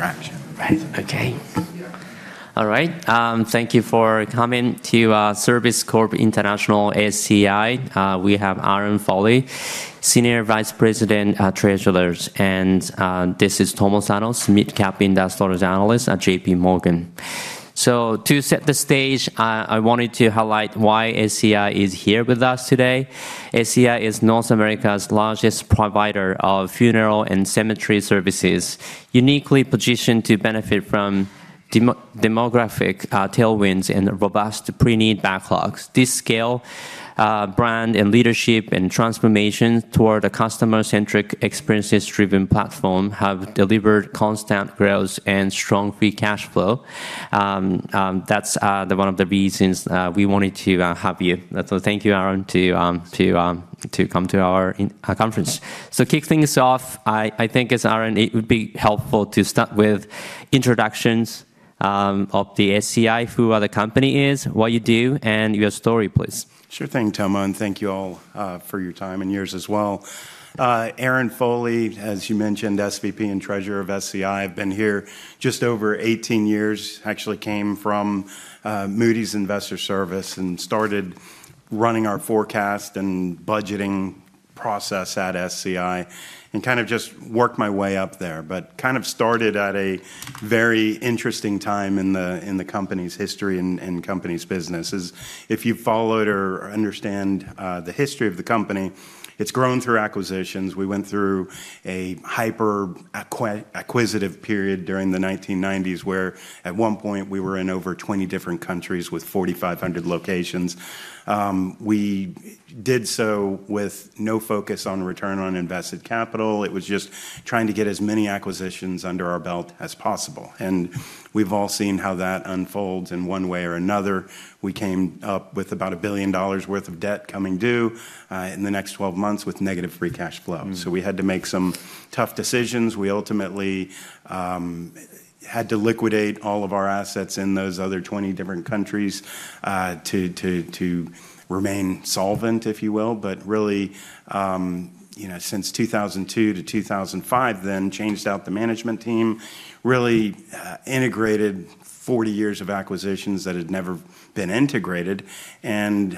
Gain more traction. Right. Okay. All right. Thank you for coming to Service Corporation International, SCI. We have Aaron G. Foley, Senior Vice President, Treasurer. This is Tobey Sommer, Mid-Cap Industrial Analyst at JP Morgan. To set the stage, I wanted to highlight why SCI is here with us today. SCI is North America's largest provider of funeral and cemetery services, uniquely positioned to benefit from demographic tailwinds and robust pre-need backlogs. This scale, brand, leadership, and transformation toward a customer-centric experiences-driven platform have delivered constant growth and strong free cash flow. That's one of the reasons we wanted to have you. Thank you, Aaron, to come to our conference. To kick things off, I think as Aaron, it would be helpful to start with introductions of the SCI, what the company is, what you do, and your story, please. Sure thing, Tobey, and thank you all for your time and yours as well. Aaron Foley, as you mentioned, SVP and Treasurer of SCI. I've been here just over 18 years. Actually came from Moody's Investors Service and started running our forecast and budgeting process at SCI, and kind of just worked my way up there. Kind of started at a very interesting time in the company's history and company's business if you followed or understand the history of the company. It's grown through acquisitions. We went through a hyper acquisitive period during the 1990s, where at one point, we were in over 20 different countries with 4,500 locations. We did so with no focus on return on invested capital. It was just trying to get as many acquisitions under our belt as possible. We've all seen how that unfolds in one way or another. We came up with about $1 billion worth of debt coming due in the next 12 months with negative free cash flow. Mm-hmm. We had to make some tough decisions. We ultimately had to liquidate all of our assets in those other 20 different countries to remain solvent, if you will. Really you know since 2002 to 2005 then changed out the management team really integrated 40 years of acquisitions that had never been integrated and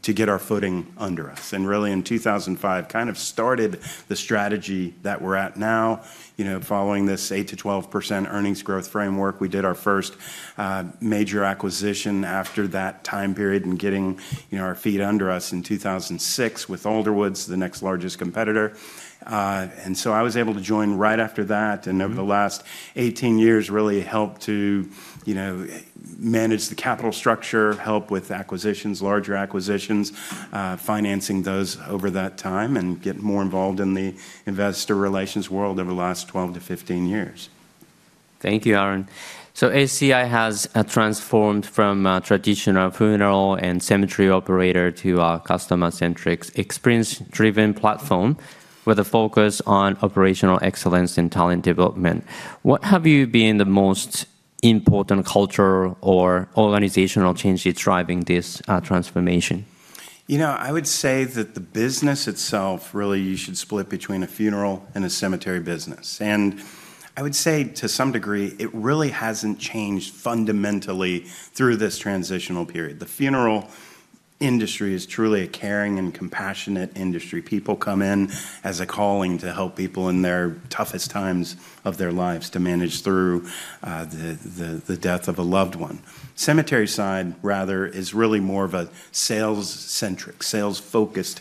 to get our footing under us. Really in 2005 kind of started the strategy that we're at now you know following this 8%-12% earnings growth framework. We did our first major acquisition after that time period and getting you know our feet under us in 2006 with Alderwoods the next largest competitor. I was able to join right after that. Mm-hmm Over the last 18 years, really helped to, you know, manage the capital structure, help with acquisitions, larger acquisitions, financing those over that time and get more involved in the investor relations world over the last 12-15 years. Thank you, Aaron. SCI has transformed from a traditional funeral and cemetery operator to a customer-centric, experience-driven platform with a focus on operational excellence and talent development. What has been the most important cultural or organizational change driving this transformation? You know, I would say that the business itself, really you should split between a funeral and a cemetery business. I would say to some degree, it really hasn't changed fundamentally through this transitional period. The funeral industry is truly a caring and compassionate industry. People come in as a calling to help people in their toughest times of their lives to manage through the death of a loved one. The cemetery side rather is really more of a sales-centric, sales-focused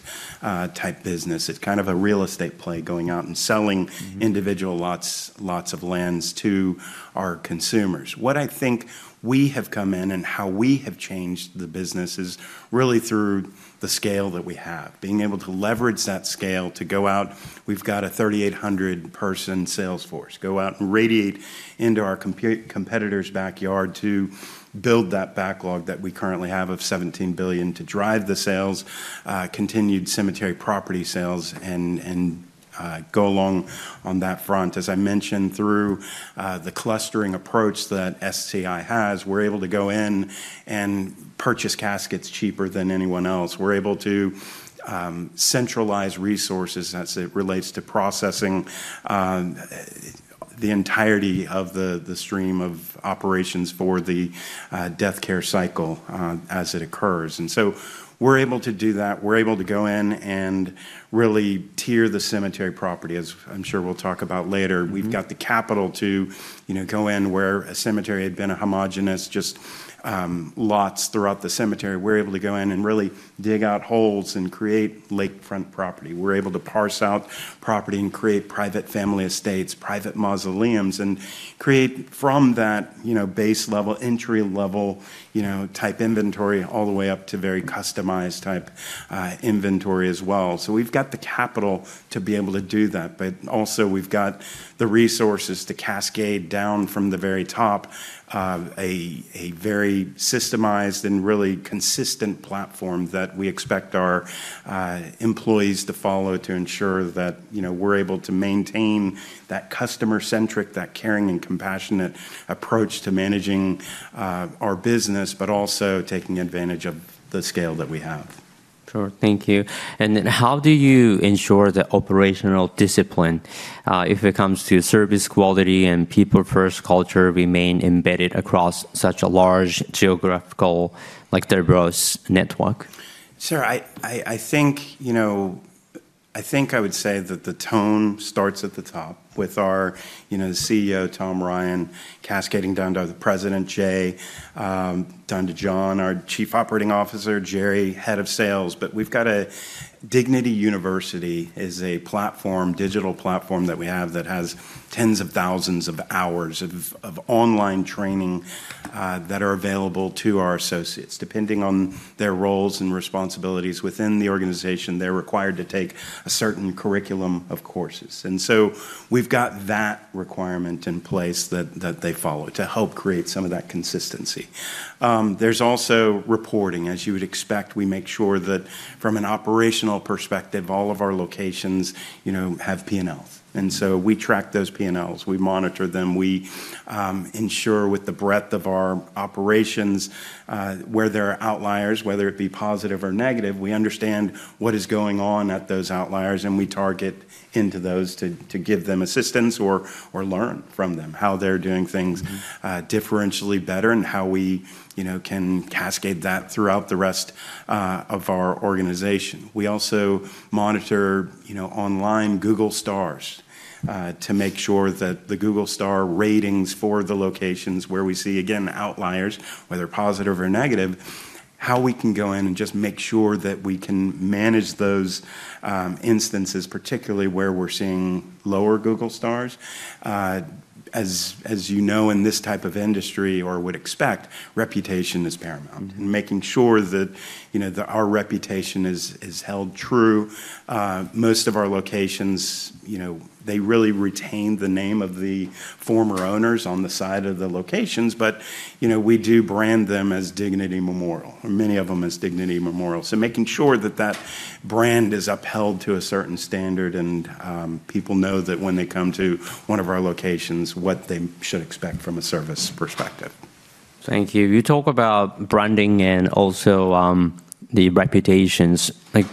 type business. It's kind of a real estate play going out and selling. Mm-hmm Individual lots of land to our consumers. What I think we have come in and how we have changed the business is really through the scale that we have. Being able to leverage that scale to go out, we've got a 3,800-person sales force, go out and radiate into our competitor's backyard to build that backlog that we currently have of $17 billion to drive the sales, continued cemetery property sales and go along on that front. As I mentioned through the clustering approach that SCI has, we're able to go in and purchase caskets cheaper than anyone else. We're able to centralize resources as it relates to processing the entirety of the stream of operations for the deathcare cycle as it occurs. We're able to do that. We're able to go in and really tier the cemetery property, as I'm sure we'll talk about later. Mm-hmm. We've got the capital to, you know, go in where a cemetery had been a homogeneous, just, lots throughout the cemetery. We're able to go in and really dig out holes and create lakefront property. We're able to parse out property and create private family estates, private mausoleums, and create from that, you know, base level, entry level, you know, type inventory all the way up to very customized type, inventory as well. We've got the capital to be able to do that. We've got the resources to cascade down from the very top, a very systematized and really consistent platform that we expect our employees to follow to ensure that, you know, we're able to maintain that customer-centric, that caring and compassionate approach to managing our business, but also taking advantage of the scale that we have. Sure. Thank you. How do you ensure the operational discipline, if it comes to service quality and people first culture remain embedded across such a large geographical, like, diverse network? Sir, I think, you know, I think I would say that the tone starts at the top with our, you know, CEO, Tom Ryan, cascading down to the president, Jay, down to John, our Chief Operating Officer, Jerry, Head of Sales. We've got Dignity University is a platform, digital platform that we have that has tens of thousands of hours of online training that are available to our associates. Depending on their roles and responsibilities within the organization, they're required to take a certain curriculum of courses. We've got that requirement in place that they follow to help create some of that consistency. There's also reporting. As you would expect, we make sure that from an operational perspective, all of our locations, you know, have P&Ls. We track those P&Ls, we monitor them, we ensure with the breadth of our operations, where there are outliers, whether it be positive or negative, we understand what is going on at those outliers, and we target into those to give them assistance or learn from them, how they're doing things, differentially better and how we, you know, can cascade that throughout the rest of our organization. We also monitor, you know, online Google star ratings, to make sure that the Google star ratings for the locations where we see, again, outliers, whether positive or negative, how we can go in and just make sure that we can manage those instances, particularly where we're seeing lower Google star ratings. As you know, in this type of industry, as one would expect, reputation is paramount. Mm-hmm. Making sure that our reputation is held true. Most of our locations, they really retain the name of the former owners on the side of the locations, but we do brand them as Dignity Memorial, or many of them as Dignity Memorial. Making sure that that brand is upheld to a certain standard and people know that when they come to one of our locations, what they should expect from a service perspective. Thank you. You talk about branding and also, the reputations. Like,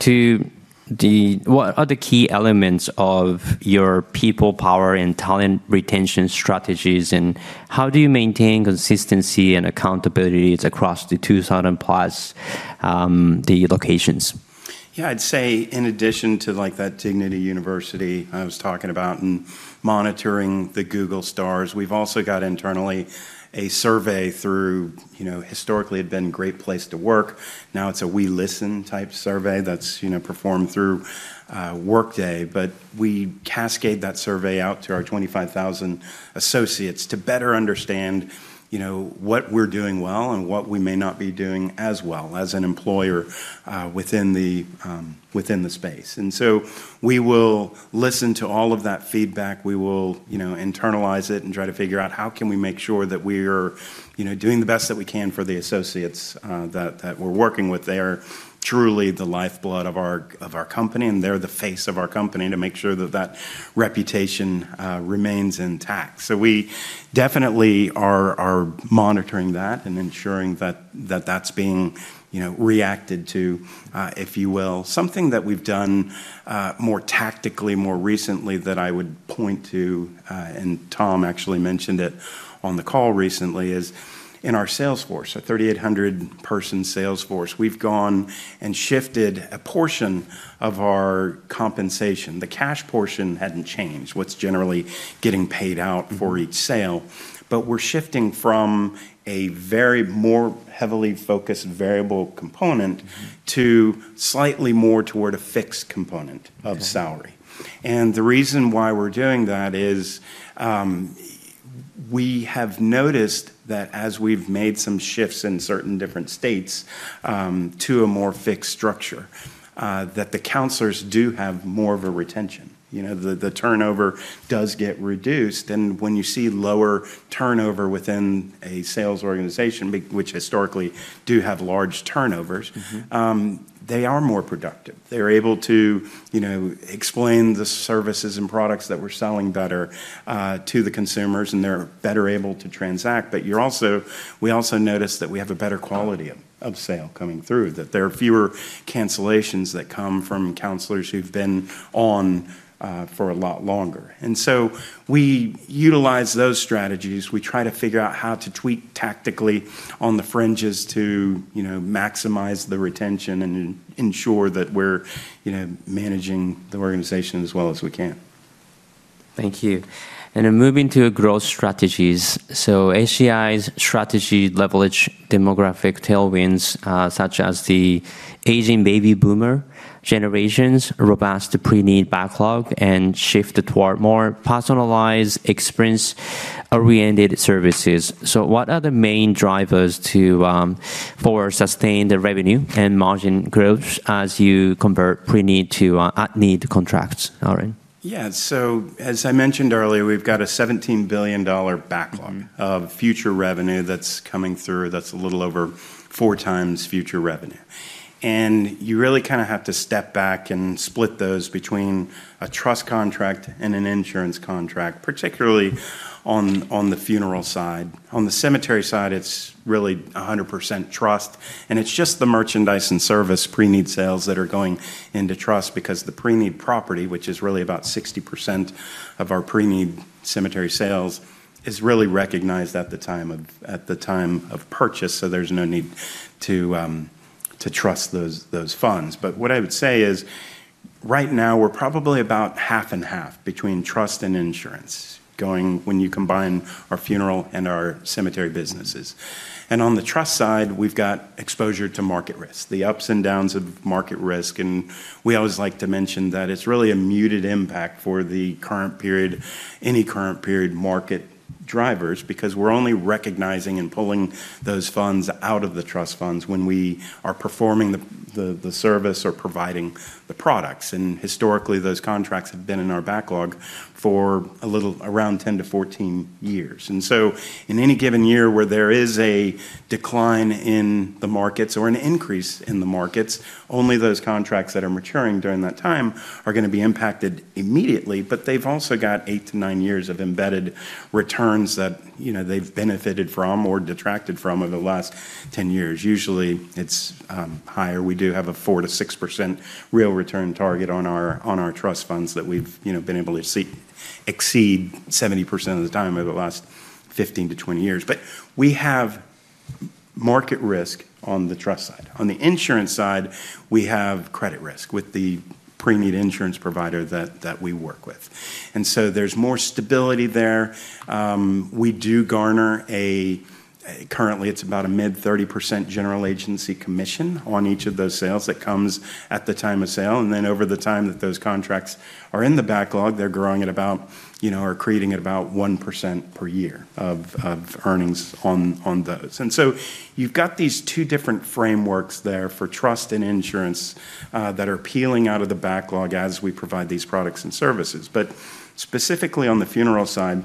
what are the key elements of your people power and talent retention strategies, and how do you maintain consistency and accountabilities across the 2,000+ locations? Yeah. I'd say in addition to, like, that Dignity University I was talking about and monitoring the Google star rating, we've also got internally a survey through, you know, historically had been Great Place to Work. Now it's a We Listen Survey that's, you know, performed through Workday. We cascade that survey out to our 25,000 associates to better understand, you know, what we're doing well and what we may not be doing as well as an employer within the space. We will listen to all of that feedback. We will, you know, internalize it and try to figure out how can we make sure that we're, you know, doing the best that we can for the associates that we're working with. They are truly the lifeblood of our company, and they're the face of our company, to make sure that reputation remains intact. We definitely are monitoring that and ensuring that that's being, you know, reacted to, if you will. Something that we've done more tactically more recently that I would point to, and Tom actually mentioned it on the call recently, is in our sales force, our 3,800-person sales force, we've gone and shifted a portion of our compensation. The cash portion hadn't changed, what's generally getting paid out for each sale. We're shifting from a very more heavily focused variable component to slightly more toward a fixed component of salary. Okay. The reason why we're doing that is, we have noticed that as we've made some shifts in certain different states, to a more fixed structure, that the counselors do have more of a retention. You know, the turnover does get reduced. When you see lower turnover within a sales organization which historically do have large turnovers- Mm-hmm They are more productive. They're able to, you know, explain the services and products that we're selling better to the consumers, and they're better able to transact. We also notice that we have a better quality of sale coming through, that there are fewer cancellations that come from counselors who've been on for a lot longer. We utilize those strategies. We try to figure out how to tweak tactically on the fringes to, you know, maximize the retention and ensure that we're, you know, managing the organization as well as we can. Thank you. Moving to growth strategies. SCI's strategy leverage demographic tailwinds, such as the aging baby boomer generations, robust pre-need backlog, and shift toward more personalized experience-oriented services. What are the main drivers for sustained revenue and margin growth as you convert pre-need to at-need contracts, Aaron? Yeah. As I mentioned earlier, we've got a $17 billion backlog. Mm-hmm ...of future revenue that's coming through. That's a little over 4x future revenue. You really kind of have to step back and split those between a trust contract and an insurance contract, particularly on the funeral side. On the cemetery side, it's really 100% trust, and it's just the merchandise and service pre-need sales that are going into trust because the pre-need property, which is really about 60% of our pre-need cemetery sales, is really recognized at the time of purchase, so there's no need to trust those funds. But what I would say is right now we're probably about half and half between trust and insurance going when you combine our funeral and our cemetery businesses. On the trust side, we've got exposure to market risk, the ups and downs of market risk. We always like to mention that it's really a muted impact for the current period, any current period market drivers, because we're only recognizing and pulling those funds out of the trust funds when we are performing the service or providing the products. Historically, those contracts have been in our backlog for a little around 10-14 years. In any given year where there is a decline in the markets or an increase in the markets, only those contracts that are maturing during that time are going to be impacted immediately. They've also got 8-9 years of embedded returns that, you know, they've benefited from or detracted from over the last 10 years. Usually it's higher. We do have a 4%-6% real return target on our trust funds that we've, you know, been able to see exceed 70% of the time over the last 15-20 years. We have market risk on the trust side. On the insurance side, we have credit risk with the pre-need insurance provider that we work with. There's more stability there. We do garner a-- currently it's about a mid-30% general agency commission on each of those sales that comes at the time of sale. Then over the time that those contracts are in the backlog, they're growing at about, you know, or accreting at about 1% per year of earnings on those. You've got these two different frameworks there for trust and insurance that are peeling out of the backlog as we provide these products and services. Specifically on the funeral side,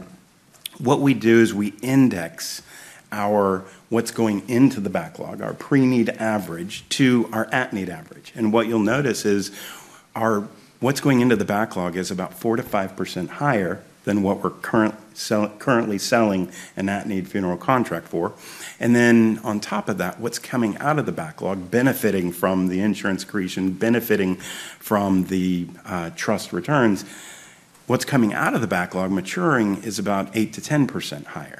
what we do is we index our what's going into the backlog, our pre-need average, to our at-need average. What you'll notice is our what's going into the backlog is about 4%-5% higher than what we're currently selling an at-need funeral contract for. Then on top of that, what's coming out of the backlog benefiting from the insurance accretion, benefiting from the trust returns, what's coming out of the backlog maturing is about 8%-10% higher.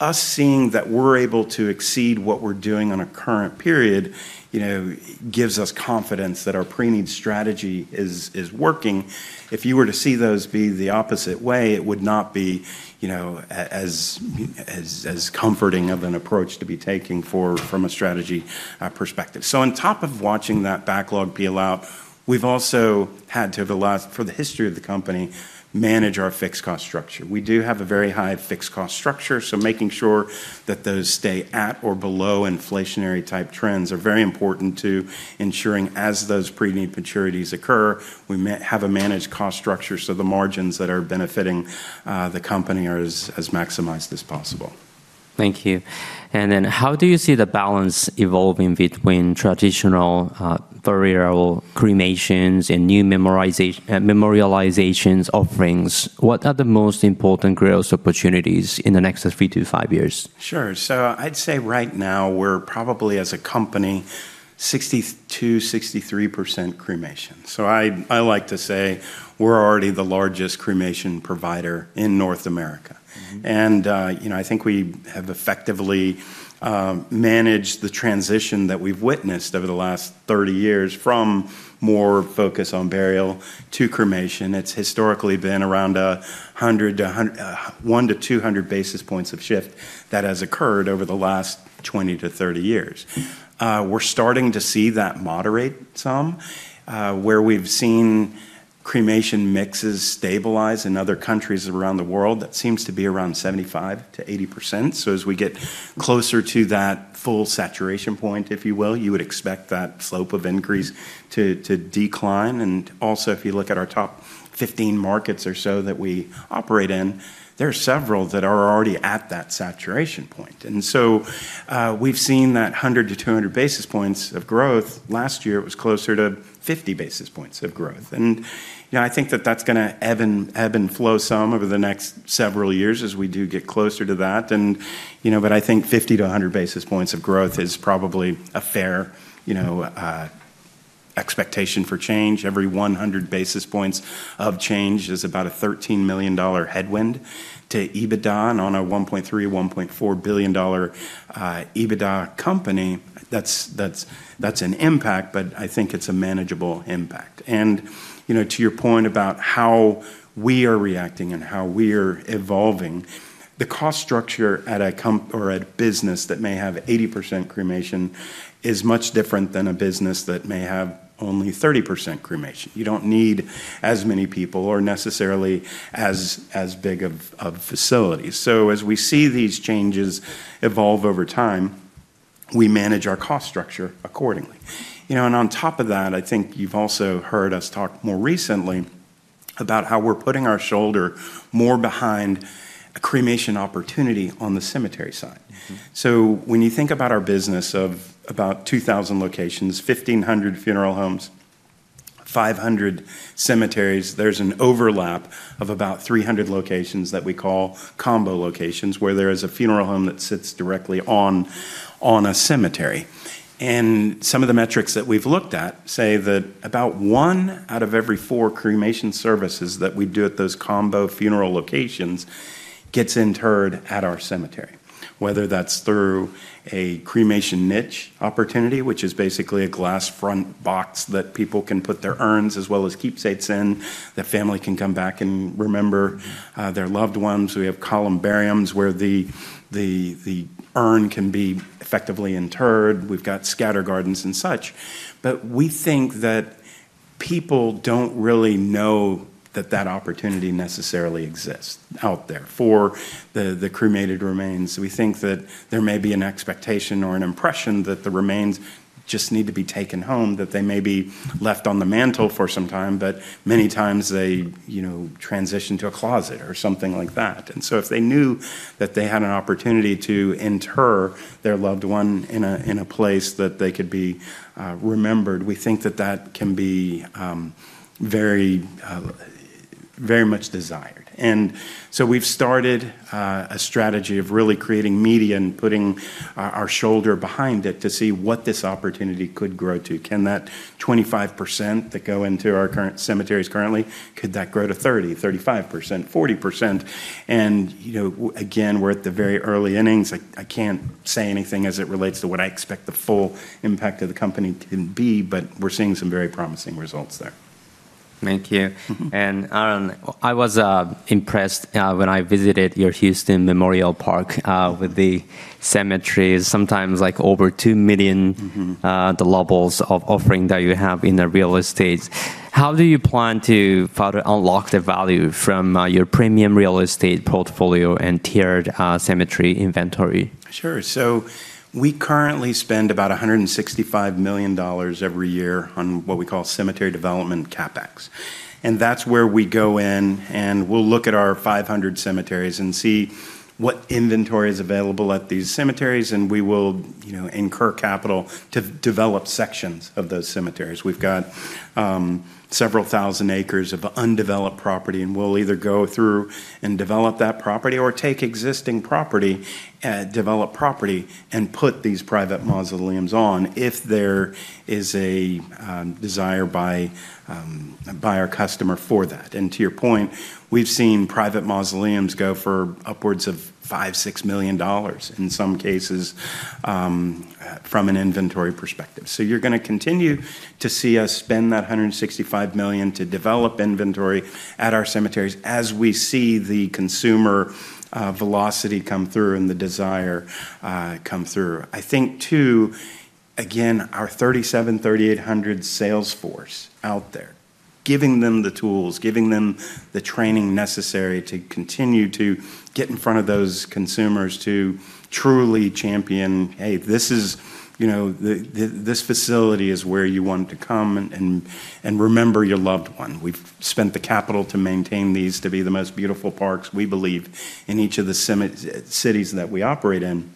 Us seeing that we're able to exceed what we're doing on a current period, you know, gives us confidence that our pre-need strategy is working. If you were to see those be the opposite way, it would not be as comforting an approach to be taking from a strategy perspective. On top of watching that backlog peel out, we've also had to, throughout the history of the company, manage our fixed cost structure. We do have a very high fixed cost structure, so making sure that those stay at or below inflationary type trends are very important to ensuring as those pre-need maturities occur, we have a managed cost structure so the margins that are benefiting the company are as maximized as possible. Thank you. How do you see the balance evolving between traditional burial cremations and new memorializations offerings? What are the most important growth opportunities in the next three to five years? Sure. I'd say right now we're probably as a company 62%-63% cremation. I like to say we're already the largest cremation provider in North America. Mm-hmm. You know, I think we have effectively managed the transition that we've witnessed over the last 30 years from more focus on burial to cremation. It's historically been around 100-200 basis points of shift that has occurred over the last 20-30 years. We're starting to see that moderate some, where we've seen cremation mixes stabilize in other countries around the world. That seems to be around 75%-80%. As we get closer to that full saturation point, if you will, you would expect that slope of increase to decline. Also if you look at our top 15 markets or so that we operate in, there are several that are already at that saturation point. We've seen that 100-200 basis points of growth. Last year it was closer to 50 basis points of growth. I think that that's gonna ebb and flow some over the next several years as we do get closer to that. But I think 50 to 100 basis points of growth is probably a fair expectation for change. Every 100 basis points of change is about a $13 million headwind to EBITDA on a $1.3-$1.4 billion EBITDA company. That's an impact, but I think it's a manageable impact. You know, to your point about how we are reacting and how we're evolving, the cost structure at a company or a business that may have 80% cremation is much different than a business that may have only 30% cremation. You don't need as many people or necessarily as big of facilities. As we see these changes evolve over time, we manage our cost structure accordingly. You know, on top of that, I think you've also heard us talk more recently about how we're putting our shoulder more behind a cremation opportunity on the cemetery side. Mm-hmm. When you think about our business of about 2,000 locations, 1,500 funeral homes, 500 cemeteries, there's an overlap of about 300 locations that we call combo locations where there is a funeral home that sits directly on a cemetery. Some of the metrics that we've looked at say that about one out of every four cremation services that we do at those combo funeral locations gets interred at our cemetery, whether that's through a cremation niche opportunity, which is basically a glass front box that people can put their urns as well as keepsakes in, the family can come back and remember their loved ones. We have columbariums where the urn can be effectively interred. We've got scatter gardens and such. We think that people don't really know that that opportunity necessarily exists out there for the cremated remains. We think that there may be an expectation or an impression that the remains just need to be taken home, that they may be left on the mantle for some time, but many times they, you know, transition to a closet or something like that. If they knew that they had an opportunity to inter their loved one in a place that they could be remembered, we think that that can be very much desired. We've started a strategy of really creating media and putting our shoulder behind it to see what this opportunity could grow to. Can that 25% that go into our current cemeteries currently, could that grow to 30, 35%, 40%? You know, again, we're at the very early innings. I can't say anything as it relates to what I expect the full impact of the company to be, but we're seeing some very promising results there. Thank you. Mm-hmm. Aaron, I was impressed when I visited your Houston Memorial Park with the cemeteries, sometimes like over 2 million- Mm-hmm the levels of offering that you have in the real estates. How do you plan to further unlock the value from your premium real estate portfolio and tiered cemetery inventory? Sure. We currently spend about $165 million every year on what we call cemetery development CapEx. That's where we go in, and we'll look at our 500 cemeteries and see what inventory is available at these cemeteries, and we will, you know, incur capital to develop sections of those cemeteries. We've got several thousand acres of undeveloped property, and we'll either go through and develop that property or take existing property, developed property, and put these private mausoleums on if there is a desire by our customer for that. To your point, we've seen private mausoleums go for upwards of $5-$6 million in some cases, from an inventory perspective. You're gonna continue to see us spend that $165 million to develop inventory at our cemeteries as we see the consumer velocity come through and the desire come through. I think too, again, our 3,700-3,800 sales force out there, giving them the tools, giving them the training necessary to continue to get in front of those consumers to truly champion, hey, this is, you know, this facility is where you want to come and remember your loved one. We've spent the capital to maintain these to be the most beautiful parks, we believe, in each of the cities that we operate in.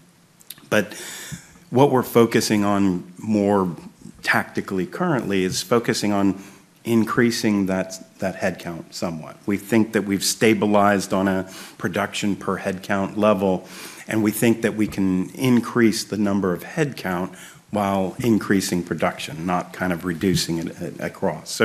What we're focusing on more tactically currently is focusing on increasing that head count somewhat. We think that we've stabilized on a production per head count level, and we think that we can increase the number of head count while increasing production, not kind of reducing it across.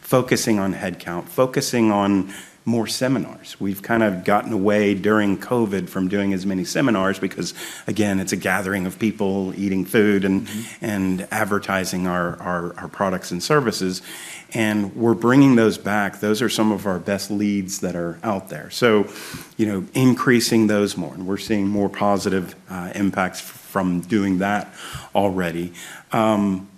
Focusing on head count, focusing on more seminars. We've kind of gotten away during COVID from doing as many seminars because, again, it's a gathering of people eating food. Mm-hmm ...advertising our products and services. We're bringing those back. Those are some of our best leads that are out there. You know, increasing those more, and we're seeing more positive impacts from doing that already.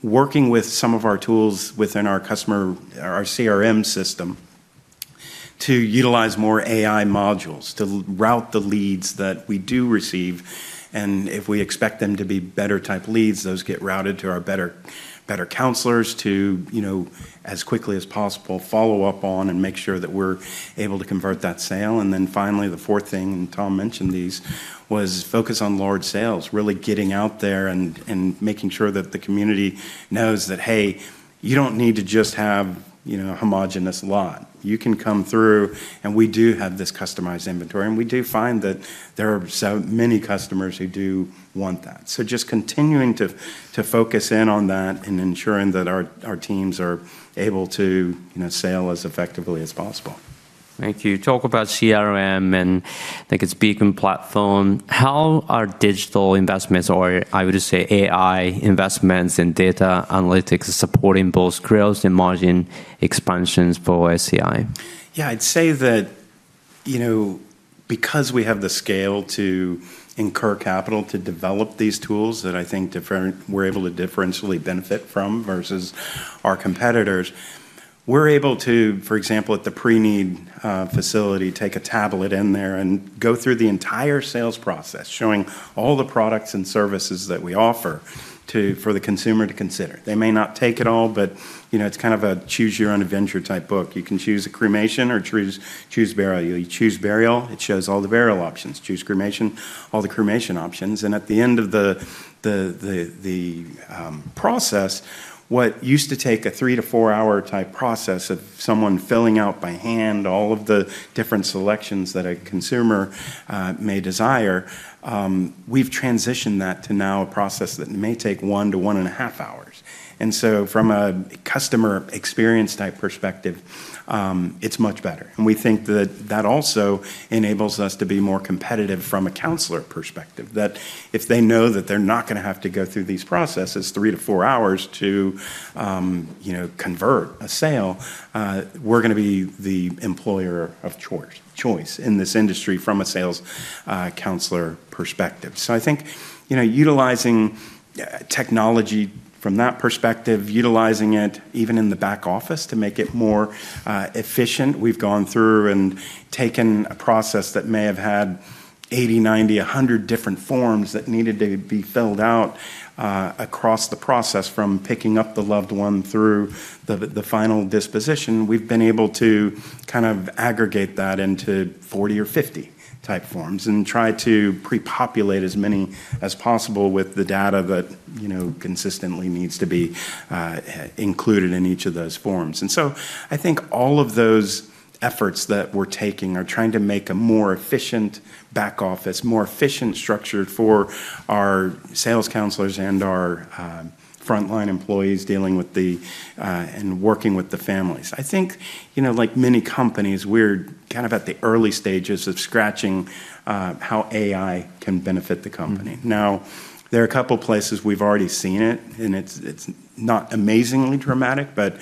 Working with some of our tools within our customer or our CRM system to utilize more AI modules to route the leads that we do receive. If we expect them to be better type leads, those get routed to our better counselors to, you know, as quickly as possible, follow up on and make sure that we're able to convert that sale. Finally, the fourth thing, and Tom mentioned these, was focus on large sales, really getting out there and making sure that the community knows that, hey, you don't need to just have, you know, a homogeneous lot. You can come through, and we do have this customized inventory, and we do find that there are so many customers who do want that. Just continuing to focus in on that and ensuring that our teams are able to, you know, sell as effectively as possible. Thank you. Talk about CRM and like its Beacon platform. How are digital investments, or I would say AI investments and data analytics, supporting both growth and margin expansions for SCI? Yeah. I'd say that, you know, because we have the scale to incur capital to develop these tools that I think we're able to differentially benefit from versus our competitors, we're able to, for example, at the pre-need facility, take a tablet in there and go through the entire sales process, showing all the products and services that we offer to, for the consumer to consider. They may not take it all, but you know, it's kind of a choose your own adventure type book. You can choose a cremation or choose burial. You choose burial, it shows all the burial options. Choose cremation, all the cremation options. At the end of the process, what used to take a 3-4 hour type process of someone filling out by hand all of the different selections that a consumer may desire, we've transitioned that to now a process that may take 1-1.5 hours. From a customer experience type perspective, it's much better. We think that that also enables us to be more competitive from a counselor perspective, that if they know that they're not gonna have to go through these processes 3-4 hours to, you know, convert a sale, we're gonna be the employer of choice in this industry from a sales counselor perspective. I think, you know, utilizing technology from that perspective, utilizing it even in the back office to make it more efficient. We've gone through and taken a process that may have had 80, 90, 100 different forms that needed to be filled out across the process from picking up the loved one through the final disposition. We've been able to kind of aggregate that into 40 or 50 type forms and try to pre-populate as many as possible with the data that, you know, consistently needs to be included in each of those forms. I think all of those efforts that we're taking are trying to make a more efficient back office, more efficient structure for our sales counselors and our frontline employees dealing with the and working with the families. I think, you know, like many companies, we're kind of at the early stages of scratching how AI can benefit the company. Now, there are a couple places we've already seen it, and it's not amazingly dramatic, but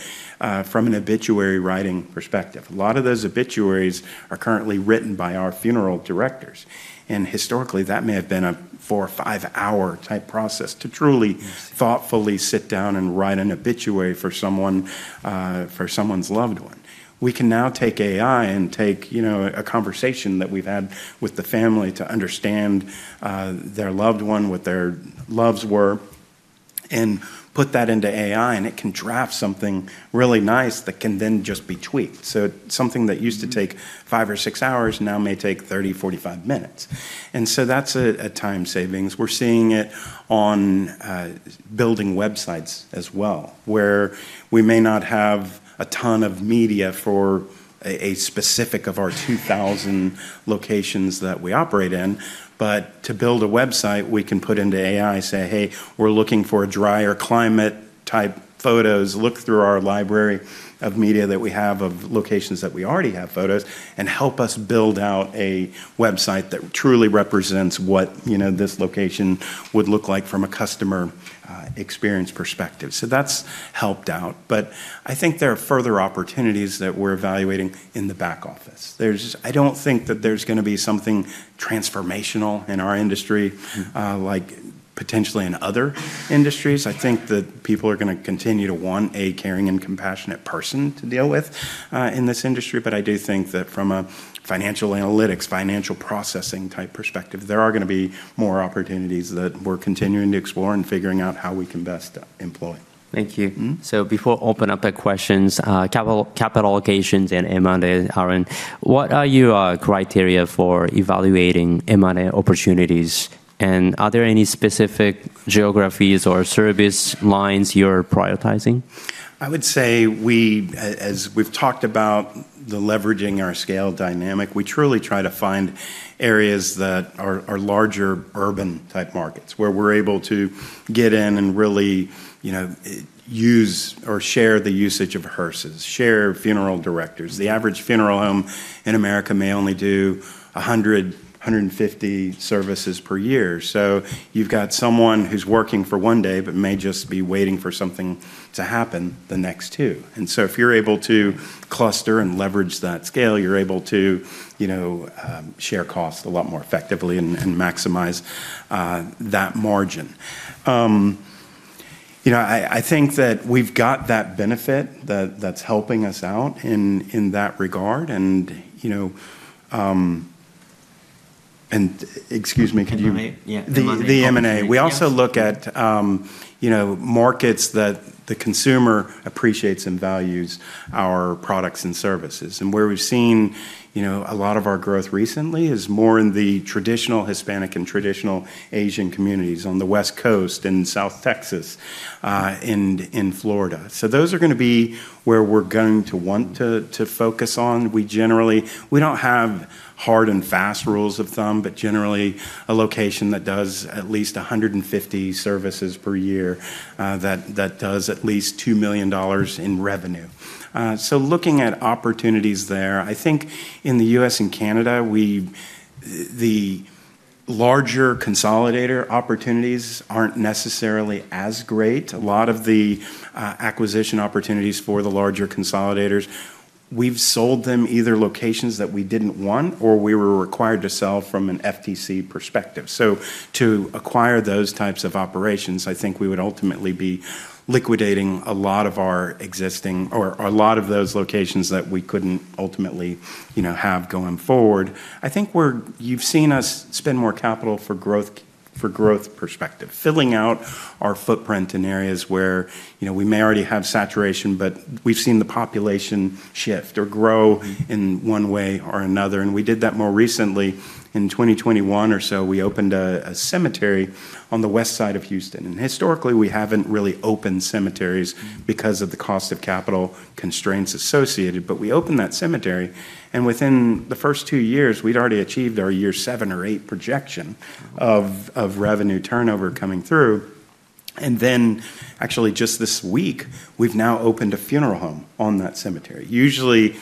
from an obituary writing perspective. A lot of those obituaries are currently written by our funeral directors. Historically, that may have been a 4- or 5-hour type process to truly thoughtfully sit down and write an obituary for someone for someone's loved one. We can now take AI and take, you know, a conversation that we've had with the family to understand their loved one, what their loves were, and put that into AI, and it can draft something really nice that can then just be tweaked. Something that used to take 5 or 6 hours now may take 30-45 minutes. That's time savings. We're seeing it on building websites as well, where we may not have a ton of media for a specific of our 2,000 locations that we operate in. To build a website, we can put into AI, say, "Hey, we're looking for a drier climate type photos. Look through our library of media that we have of locations that we already have photos, and help us build out a website that truly represents what, you know, this location would look like from a customer experience perspective." That's helped out. I think there are further opportunities that we're evaluating in the back office. I don't think that there's gonna be something transformational in our industry, like potentially in other industries. I think that people are gonna continue to want a caring and compassionate person to deal with in this industry. I do think that from a financial analytics, financial processing type perspective, there are gonna be more opportunities that we're continuing to explore and figuring out how we can best employ. Thank you. Mm-hmm. Before we open up the questions, capital allocations and M&A, Aaron, what are your criteria for evaluating M&A opportunities? Are there any specific geographies or service lines you're prioritizing? I would say we, as we've talked about the leveraging our scale dynamic, we truly try to find areas that are larger urban type markets where we're able to get in and really, you know, use or share the usage of hearses, share funeral directors. The average funeral home in America may only do 100-150 services per year. You've got someone who's working for one day but may just be waiting for something to happen the next two. If you're able to cluster and leverage that scale, you're able to, you know, share costs a lot more effectively and maximize that margin. You know, I think that we've got that benefit that's helping us out in that regard. You know, excuse me, could you? The M&A? Yeah. The M&A. The M&A. We also look at markets that the consumer appreciates and values our products and services. Where we've seen a lot of our growth recently is more in the traditional Hispanic and traditional Asian communities on the West Coast and South Texas, in Florida. Those are gonna be where we're going to want to focus on. We generally don't have hard and fast rules of thumb, but generally a location that does at least 150 services per year, that does at least $2 million in revenue. Looking at opportunities there, I think in the U.S. and Canada, the larger consolidator opportunities aren't necessarily as great. A lot of the acquisition opportunities for the larger consolidators, we've sold them either locations that we didn't want or we were required to sell from an FTC perspective. To acquire those types of operations, I think we would ultimately be liquidating a lot of our existing or a lot of those locations that we couldn't ultimately, you know, have going forward. I think you've seen us spend more capital for growth perspective, filling out our footprint in areas where, you know, we may already have saturation, but we've seen the population shift or grow in one way or another. We did that more recently in 2021 or so. We opened a cemetery on the west side of Houston. Historically, we haven't really opened cemeteries because of the cost of capital constraints associated. We opened that cemetery, and within the first two years, we'd already achieved our year seven or eight projection of revenue turnover coming through. Then actually just this week, we've now opened a funeral home on that cemetery. Usually,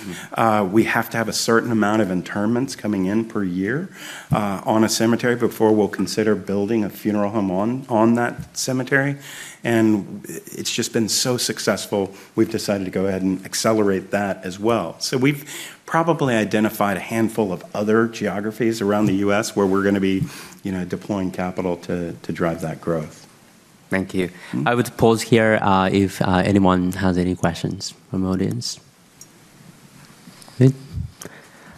we have to have a certain amount of interments coming in per year on a cemetery before we'll consider building a funeral home on that cemetery. It's just been so successful, we've decided to go ahead and accelerate that as well. We've probably identified a handful of other geographies around the U.S. where we're gonna be, you know, deploying capital to drive that growth. Thank you. I would pause here if anyone has any questions from audience. Okay.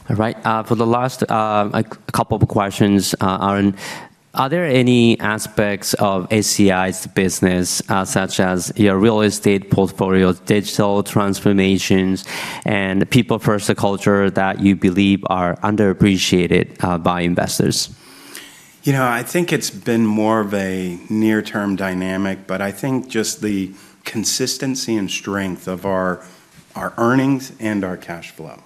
All right, for the last a couple of questions, Aaron, are there any aspects of SCI's business such as your real estate portfolios, digital transformations, and people first culture that you believe are underappreciated by investors? You know, I think it's been more of a near-term dynamic, but I think just the consistency and strength of our earnings and our cash flow.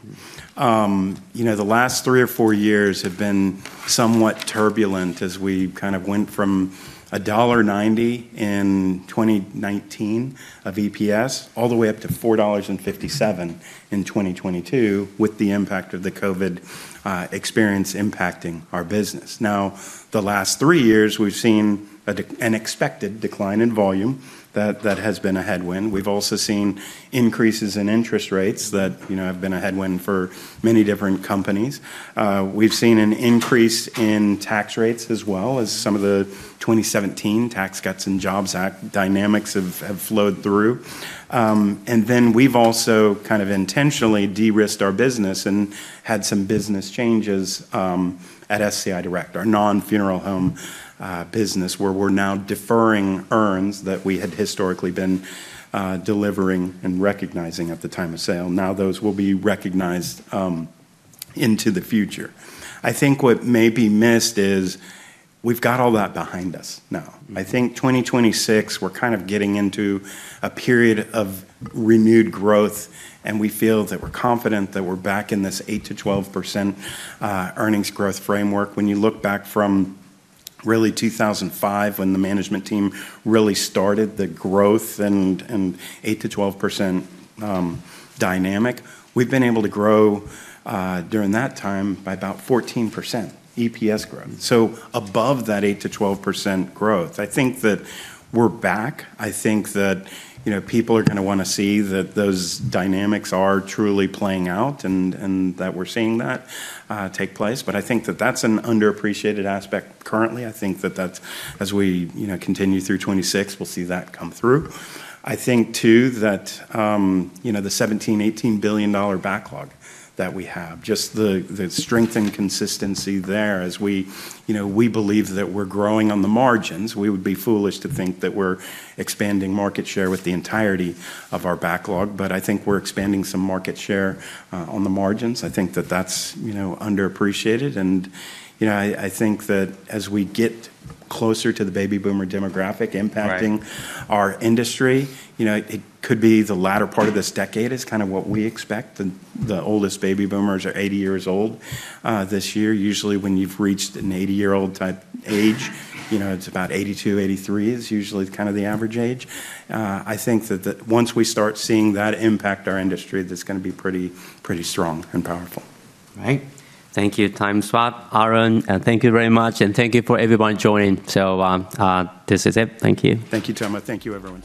You know, the last three or four years have been somewhat turbulent as we kind of went from $1.90 in 2019 of EPS all the way up to $4.57 in 2022 with the impact of the COVID experience impacting our business. Now, the last three years, we've seen an expected decline in volume that has been a headwind. We've also seen increases in interest rates that, you know, have been a headwind for many different companies. We've seen an increase in tax rates as well as some of the 2017 Tax Cuts and Jobs Act dynamics have flowed through. We've also kind of intentionally de-risked our business and had some business changes at SCI Direct, our non-funeral home business, where we're now deferring earnings that we had historically been delivering and recognizing at the time of sale. Now those will be recognized into the future. I think what may be missed is we've got all that behind us now. I think 2026, we're kind of getting into a period of renewed growth, and we feel that we're confident that we're back in this 8%-12% earnings growth framework. When you look back from really 2005 when the management team really started the growth and eight to twelve percent dynamic, we've been able to grow during that time by about 14% EPS growth. Above that 8%-12% growth. I think that we're back. I think that, you know, people are gonna wanna see that those dynamics are truly playing out and that we're seeing that take place. I think that that's an underappreciated aspect currently. I think that that's, as we, you know, continue through 2026, we'll see that come through. I think too that, you know, the $17-$18 billion backlog that we have, just the strength and consistency there as we, you know, we believe that we're growing on the margins. We would be foolish to think that we're expanding market share with the entirety of our backlog, but I think we're expanding some market share on the margins. I think that that's, you know, underappreciated. I think that as we get closer to the baby boomer demographic impacting. Right Our industry, you know, it could be the latter part of this decade is kind of what we expect. The oldest baby boomers are 80 years old this year. Usually, when you've reached an 80-year-old type age, you know, it's about 82, 83 is usually kind of the average age. I think that once we start seeing that impact our industry, that's gonna be pretty strong and powerful. Right. Thank you. Time swap. Aaron, thank you very much, and thank you for everyone joining. This is it. Thank you. Thank you, Tobey Sommer. Thank you, everyone.